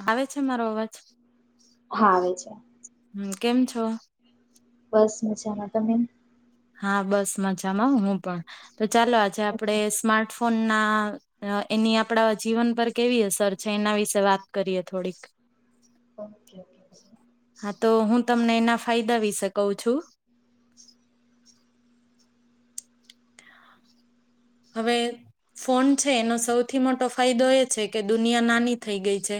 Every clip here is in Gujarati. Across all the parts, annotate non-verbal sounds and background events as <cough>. આવે છે મારો અવાજ, હા આવે છે હ. કેમ છો? બસ મજામાં તમે? હા બસ મજામાં હું પણ. તો ચાલો આજે આપણે ઓકે સ્માર્ટ ફોન ના એની આપડા જીવન પર કેવી હશે છે એના વિશે વાત કરીએ થોડીક. Okay okay. હા તો હું તમને એના ફાયદા વિ શકું છું. હવે ફોન છે એનો સૌથી મોટો ફાયદો એ છે કે દુનિયા નાની થઈ ગઈ છે.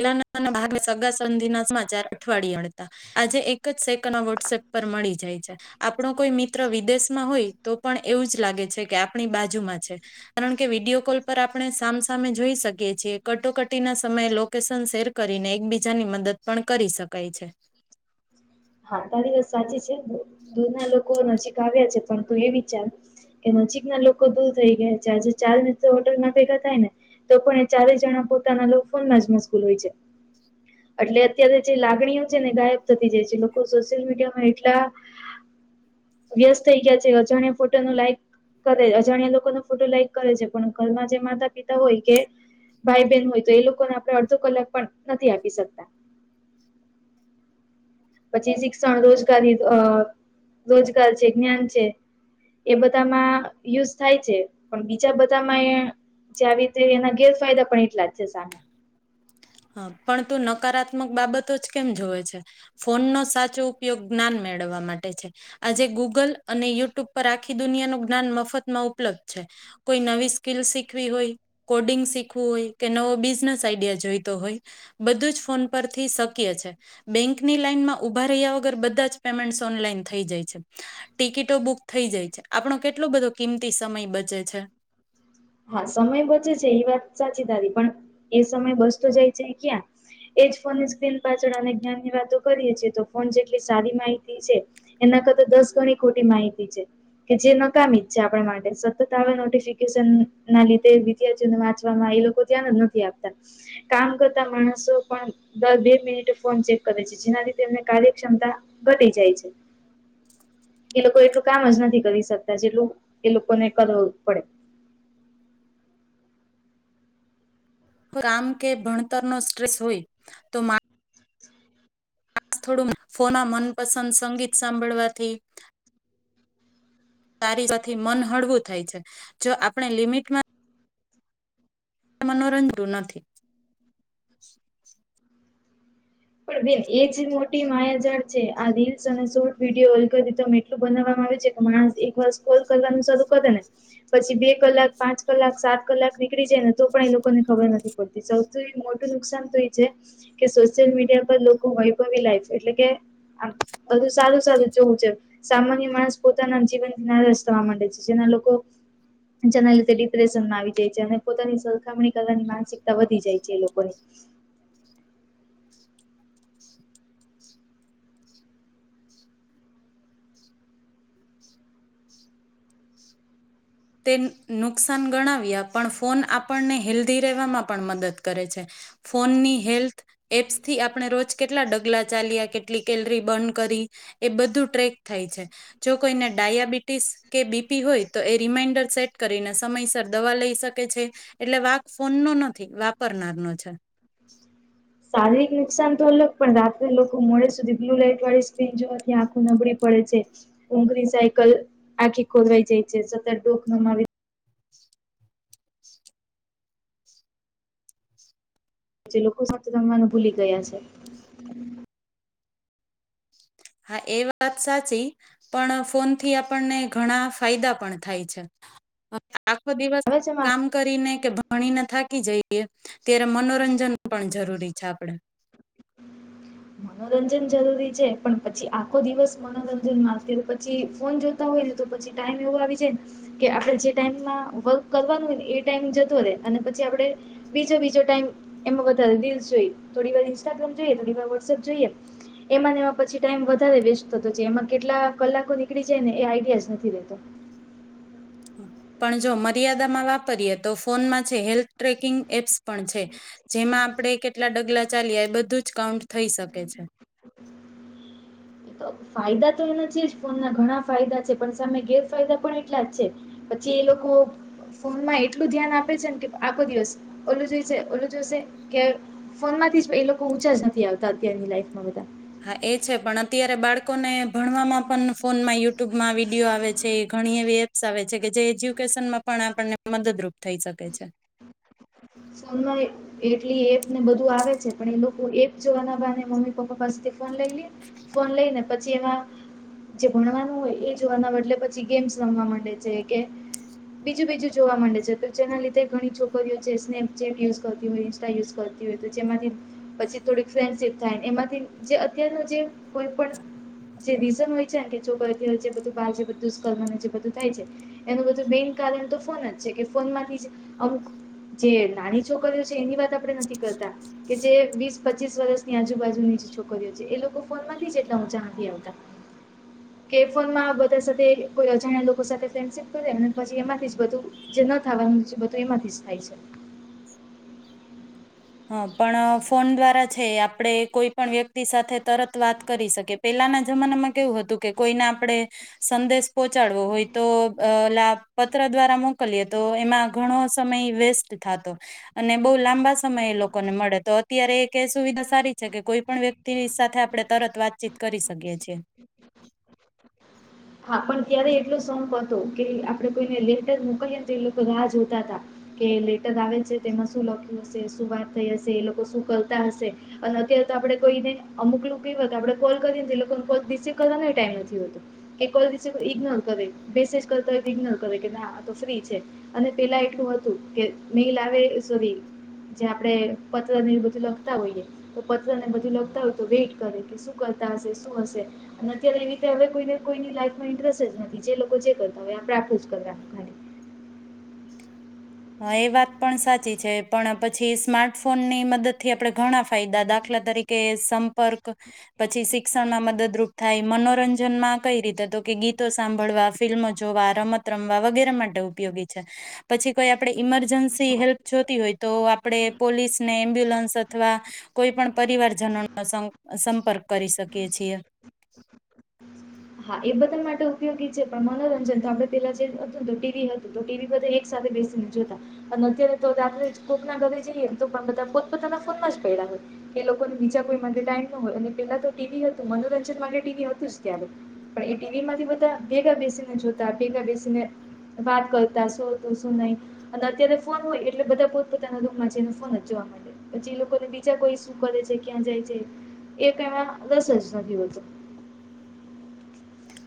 સગા સંધિ ના સમાચાર અઠવાડિયેતા, આજે એક જ સેકન્ડ વોટસએપ પર મળી જાય છે, આપણો કોઈ મિત્ર વિદેશમાં હોય તો પણ એવું જ લાગે છે કે આપણી બાજુમાં છે, કારણ કે વિડીયો કોલ પર આપણે સામસામે જોઈ શકીએ છીએ કટોકટી ના સમયે લોકેશન શેર કરીને એકબીજાની મદદ પણ કરી શકાય છે. હા તારીવત સાચી છે બો દૂધ ના લોકો ન આવ્યા છે પણ એ વિચાર, કે નજીકના લોકો દૂર થઈ ગયા છે આજે ચાર મિત્ર હોલમાં ભેગા થાય ને, તો પણ એ ચારેય જણા પોતાના ફોન માં જ મશ્કૂલ હોય છે, એટલે અત્યારે જે લાગણીઓ છે ને ગાયબ સોશિયલ મીડિયામાં એટલા, વ્યસ્ત થઈ ગયા છે અજાણ્યા ફોટો ન લાઈક કરે અજાણ્યા લોકો ફોટો લાઈક કરે છે પણ ઘરમાં જે માતા પિતા હોય કે, ભાઈ બહેન હોય તો એ લોકોને આપણે અડધો કલાક પણ નથી આપી શકતા. પછી શિક્ષણ રોજગારી રોજગાર છે જ્ઞાન છે, એ બધામાં યુઝ થાય છે પણ બીજા બધામાં જે આવી રીતે એના ગેરફાયદા પણ એટલા જ છે સામે. હા પણ ત નકારાત્મક બાબતો જ કેમ જોવે છે, ફોનનો સાચો ઉપયોગ જ્ઞાન મેળવવા માટે છે, આજે ગુગલ અને યુટ્યુબ પર આખી દુનિયા ન જ્ઞાન મફતમાં ઉપલબ્ધ છે, કોઈ નવી સ્કીલ શીખવી હોય કોડિંગ શીખવું હોય કે નવો બિઝનેસ આઈડિયા જોઈ. તો હોય બધું જ ફોન પરથી શક્ય છે બેંકની લાઈન માં ઉભા રહ્યા વગર બધા જ પેમેન્ટ ઓનલાઈન થઈ જાય છે ટિકિટો બુક થઈ જાય છે આપણો કેટલો બધો કિંમતી સમય બચે છે હા સમય બચે છે એ વાત સાચી તારી પણ એ સમય બચતો જાય છે ક્યાં એજ ફોનની સ્ક્રીન પાછળ અને જ્ઞાનની વાતો કરીએ છેીએ તો ફોન જેટલી સારી માહિતી છે એના કરતા દસ ગણી ખોટી માહિતી છે કે જે નકામી જ છે આપણા માટે સતત આવે નોટફ ના લધ વિદ્યાર્થીઓને વાંચવામાં એ લોકો ધ્યાન જ નથી આપતા કામ કરતા માણસો પણ દર બે મિનિટ ફોન ચેક કરે છે જેના લીધે એમને કાર્યક્ષમતા ઘટી જાય છે એ લોકો એટલું કામ જ નથી કરી શકતા જેટલું એ લોકોને કરવું પડે રામ કે ભણતરનો સ્ટ્રેસ હોય તો મા આ થોડું ફોના મનપસંદ સંગીત સાંભળવાથી તારીથી મનહળવું થાય છે જો આપણે લિમિટમાં મનોરંજો નથી <inaudible> પણ બેન એજ મોટી માયાજાળ છે આ રીલ્સ અને શોર્ટ વિડીયો અલગ એટલું બનાવવામાં આવે છે કે માણસ એક વાર કોલ કરવાનું શરૂ કરે ને પછી બે કલાક પાંચ કલાક સાત કલાક નીકળી જાય ને તો પણ એ લોકોને ખબર નથી પડતી સૌથી મોટું નુકસાન તો એ છે કે સોશિયલ મીડિયા તેય પળ લોકો વૈભવી લાઈફ એટલે કે આમ બધું સારું સારું જોવું છે સામાન્ય માણસ પોતાના જીવનથી નારાજ થવા માંડે છે જેના લોકો જેના લીધે ડિપ્રેશનમાં આવી જાય છે અને પોતાની સરખામણી કરવાની માનસિકતા વધી જાય છે એ લોકોની તે નુકસાન ગણાવ્યા પણ ફોન આપણને હેલ્ધી રહેવામાં પણ મદદ કરે છે ફોનની હેલ્થ એપ્સ થી આપણે રોજ કેટલા ડગલા ચાલ્યા કેટલી કેલરી બર્ન કરી એ બધું ટ્રેક થાય છે જો કોઈને ડાયાબિટીસ કે બીપી હોય તો એ રિમાઈન્ડર સેટ કરીને સમયસર દવા લઈ શકે છે એટલે વાક ફોન નો નથી વાપરનાર નો છે શારીરિક નુકસાન તો અલગ પણ રાત્રે લોકો મોડે સુધી બ્લુ લાઈટ વાળી સ્ક્રીન જોવાથી આખું નબળી પડે છે ઊંઘરી સાયકલ આખી ખોદવાઈ જાય છે સતત ડોક નમાવી ને જે લોકો સાથે જમવાનું ભૂલી ગયા છે હા એ વાત સાચી પણ ફોન થી આપણને ઘણા ફાયદા પણ થાય છે આખો દિવસ આવે છે કામ કરીને કે ભણીને થાક કી જઈએ ત્યારે મનોરંજન પણ જરૂરી છે આપડે મનોરંજન જરૂરી છે પણ પછી આખો દિવસ મનોરંજન માં પછી ફોન જોતા હોય ને તો પછી ટાઈમ એવો આવી જાયને કે આપડે જે ટાઈમ વર્ક કરવાનું હોય ને એ ટાઈમ જતો રહેે અને પછી આપડે બીજો બીજો ટાઈમ એમાં વધારે રિલસ જોઈએ થોડી વા ઇંસ્ટાગ્રામ જોઈએ થોડીર વોટ્સએપ જોઈએ એમાં એમાં પછી ટાઈમ વધારે વેસ્ટ થતો છે એમાં કેટલા કલાકો નીકળી જાય ને એ આઈડિયા નથી રતો પણ જો મર્યાદામાં વાપરીયએ તો ફોનમાં છે હેલ્થ ટ્રેકિંગ એપ્સ પણ છે જેમાં આપણે કેટલા ડગલા ચાલીએ એ બધું જ કાઉન્ટ થઈ શકે છે ફાયદા તો એના છે જ ફોન ના ઘણા ફાયદા છે પણ સામે ગેરફાયદા પણ એટલા જ છે પછી એ લોકો ફોનમાં એટલું ધ્યાન આપે છે ને કે આખો દિવસ ઓલું જોઈશે ઓલું જોઈશે કે ફોન માંથી એ લોકો ઊંચા જ નથી આવતા અત્યારની લાઈફમાં બધા હા એ છે પણ અત્યારે બાળકોને ભણવામાં પણ ફોન માં યુટ્યુબમાં વિડીયો આવે છે ઘણી એવી એપ્સ આવે છે કે જે એજ્યુકેશનમાં પણ આપણને મદદરૂપ થઈ શકે છે ફોન માં એટલી એપ ને બધું આવે છે પણ એ લોકો એપ જોવાના બહાને મમ્મી પપ્પા પાસેથી ફોન લઈ લે ફોન લઈને પછી એમાં જે ભણવાનું હોય એ જોવાનાદલે પછી ગેમ્સ રમવા માંડે છે કે બીજું બીજું જોવા માંડે છે તો જેના લીધે ઘણી છોકરીઓ સ્નેપચેટ યુઝ કરતી હોય ઇન્સ્ટા યુઝ કરતી હોય તો જેમાંથી પછી થોડીક ફ્રેન્ડશીપ થાય એમાંથી જે અત્યાર જે કોઈ પણ જે રીઝન હોય છેને છોકરી બારુકું થાય છે એનું બધું મેન કારણ તો ફોન જ છે કે ફોનમાંથી અમુક જે નાની છોકરીઓ છે એની વાત આપણે નથી કરતા કે જે વીસ પચીસ વર્ષની આજુબાજુની જે છોકરીઓ છે એ લોકો ફોન માંથી એટલા ઊંચા નથી આવતા કે ફોનમાં બધા સાથે કોઈ અજાણ્યા લોકો સાથે ફ્રેન્ડશીપ કરે અને પછી એમાંથી બધું જે ન થવાનું બધું એમાંથી જ થાય છે હા પણ ફોન દ્વારા છે આપણેે કોઈ પણ વ્યક્તિ સાથે તરત વાત કરી શકી પેલાના જમાનામાં કેવું હતું કે કોઈને આપણે સંદેશ પહોંચાડવો હોય તો લાભ પત્ર દ્વારા મોકલીએ તો એમાં ઘણો સમય વેસ્ટ થા તો અને બહુ લાંબા સમય એ લોકોને મળે તો અત્યારે એક સુવિધા સારી છે કે કોઈ પણ વ્યક્તિ ની સાથે આપણે તરત વાતચીત કરી શકીએ છીએ હા પણ ત્યારે એટલો સપ હતો કે આપડે કોઈને લેટર મોકલીએ તો એ લોકો રાહ જોતા હતા કે લેટર આવે છે તેમાં શું લખ્યું છે શું વાત થઈ હશે એ લોકો શું કરતા હશે અને અત્યારે તો આપડે કોઈને અમુક લોકો કેવા આપડે કોલ કરીએ એ લોકો કોલ રિસીવ કરવાનો ટાઈમ નથી હોતો એ કોલ રિસવ ઈગ્નોર કરે મેસેજ કરતા હોય તો ઈગ્નોર કરે કે ના તો ફ્રી છે અને પેલા એટલું હતું કે મેલ આવે સોરી જે આપણે પત્ર ને બધું લખતા હોઈએ તો પત્ર ને બધું લખતા હોય તો વેટ કરે કે શું કરતા હશે શું હશે અને અત્યારે એ રીતે હવે કોઈ કોઈની લાફમાં ઇન્ટરેસ્ટ જ નથી જે લોકો જે કરતા હોય આપણે આપડુ કરવાનું ખાલી હા એ વાત પણ સાચી છે પણ પછી સ્માર્ટફોનની મદદથી આપણે ઘણા ફાયદા દાખલા તરીકે સં પરર્ક પછી શિક્ષણમાં મદદરૂપ થાય મનોરંજનમાં કઈ રીતે તો કે ગીતો સાંભળવા ફિલ્મ જોવા રમત રમવા વગેરે માટે ઉપયોગી છે પછી કોઈ આપણે ઈમરજન્સી હેલ્પ જોતી હોય તો આપણે પોલીસ ને એમ્બ્યુલન્સ અથવા કોઈ પણ પરિવારજનોનો સંપર્ક કરી શકીએ છીએ હા એ બધા માટે ઉપયોગી છે પણ મનોરંજન તો આપડે પેલા જે હતુંને તો ટીવી હતું તો ટીવી બધા એક સાથે બેસીને જોતા અને અત્યારે તો આપણે કોકના ઘરે જઈએને તો પણ બધા પોતપોતાના ફોનમાં જ પડ્યા હોય કે એ લોકોને બીજા કોઈ માટે ટાઈમ ન હોય અને પેલા તો ટીવી હતું મનોરંજન માટે ટીવી હતું જ ત્યારે પણ એ ટીવી માંથી બધા ભેગા બેસીને જોતા ભેગા બેસીને વાત કરતા શું હતું શું નહી અત્યારે ફોન હોય એટલે બધા પોતપોતાના દુઃખમાં છે ને ફોન જ જોવા મળતો પછી એ લોકોને બીજા કોઈ શું કરે છે ક્યાં જાય છે એ કેમાં રસ જ નથી હોતો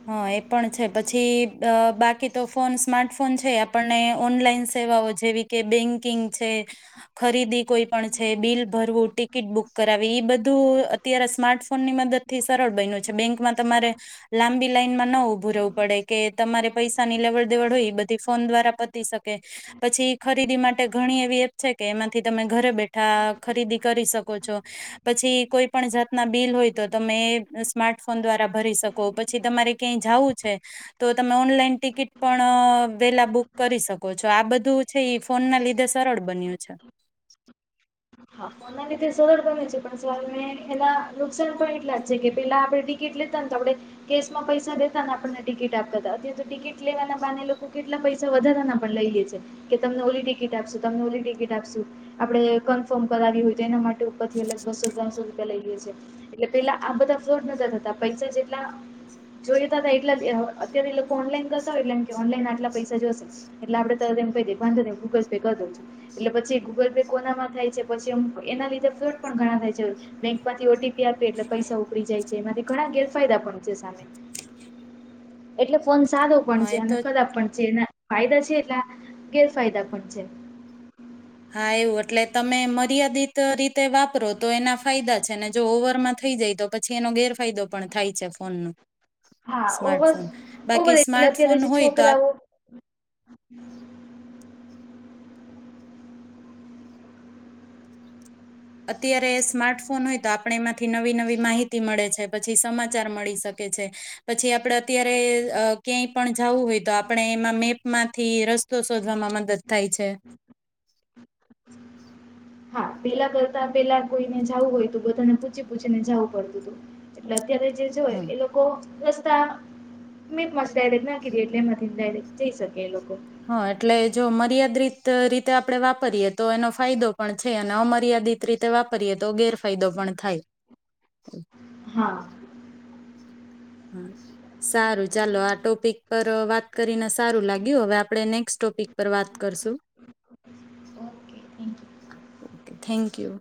હા એ પણ છે પછી અ બાકી તો ફોન સ્માર્ટફોન છે આપણને ઓનલાઈન સેવાઓ જેવી કે બેંકિંગ છે ખરીદી કોઈ પણ છે બિલ ભરવું ટિકિટ બુક કરાવી એ બધું અત્યારે સ્માર્ટફોનની મદદ થી સરળ બન્યું છે બેંકમાં તમારે લાંબી મા ન ઉભું રહેવું પડે કે તમારે પૈસા ની લેવડ દેવડ હોય એ બધ ફોન દ્વારા પતી શકે પછી ખરીદી માટે ઘણી એવી એપ છે કે એમાંથી તમે ઘરે બેઠા ખરીદી કરી શકો છો પછી કોઈ પણ જાતના બિલ હોય તો તમે સ્માર્ટફોન દ્વારા ભરી શકો પન પછી તમારે ક્યાંય જવું છે તો ઓનલાઈન ટિકિટ પણ વેલા બુક કરી શકો છો આ બધું છે ફોન ના લીધે સરળ બન્યું છે હા ફોન સરળ બને છે પણ સવાલ એના નુકસાન પણ એટલા જ છે કે પેલા આપણે ટિકિટ લેતા આપણે કેસ માં પૈસા દેતા ને આપણને ટિકિટ આપતા હતા અત્યારે તો ટિકિટ લેવાના બાને એ લોકો કેટલા પૈસા વધારાના પણ લઈએે છે કે તમને ઓલી ટિકિટ આપશું તમને ઓલી ટિકિટ આપશું આપણે ફોર્મ કરાવી હોય તો એના માટે ઉપરથી અલગ બસો ત્રણસો રૂપિયા લઈએ છીએ એટલે પેલા આ બધા ફ્રોડ નતા થતા પૈસા જેટલા જોઈતા એટલા અત્યારે એ લોકો ઓનલાઈન કરતા હોય એટલે ઓનલાઈના આટલા પૈસા જોશે એટલે આપડે કહી દેંધો ગૂગલ પે કરી દો છું એટલે પછી ગૂગલ પે કોનામાં થાય છે તે પછી અમ એના લીધે ફ્લોડ પણ ઘણા થાય છે બેંકમાંથી ઓટીપી આપીએ એટલે પૈસા ઉપડી જાય છે એમાંથી ઘણા ગેરફાયદા પણ છે સામે એટલે ફોન સારો પણ હા છે એ અને તો કદા પણ છે એના ફાયદા છે એટલા ગેરફાયદા પણ છે હા એવું એટલે તમે મર્યાદિત રીતે તે વાપરો તો એના ફાયદા છે ને જો ઓવરમાં થઈ જાય તો પછી એનો ગેરફાયદો પણ થાય છે ફોન નો હા ઓવર ઓ બધા એટલે અત્યારે સ્માર્ટફોન જે હોય તો છોકરાઓ અત્યારે સ્માર્ટફોન હોય તો આપણે એમાંથી નવી નવી માહિતી મળે છે પછી સમાચાર મળી શકે છે પછી આપણે અત્યારે ક્યાંય પણ જવું હોય તો આપણે એમાં મેપમાં થી રસ્તો શોધવામાં મદદ થાય છે હા પેલા કરતા પેલા કોઈને જવું હોય તો બધાને પૂછી પૂછીને જવું પડતું હતું એટ અત્યારે જે જોય હમ. એ લોકો રસ્તા મેં મસ્ત ડાયરેક્ટ નાખી દી એટલે એમાંથી ડાયરેક્ટ જઈ શકે એ લોકો હા એટલે જો મર્યાદિત રીતે આપણે વાપરીએ તો એનો ફાયદો પણ છે અને અમર્યાદિત રીતે વાપરીએ તો ગેરફાયદો પણ થાય હા હ સારું ચાલો આ ટોપિક પર વાત કરીને સારું લાગ્યું હવે આપણેને ક્સ્ટોપિક પર વાત કરશું okay thank you. O thank you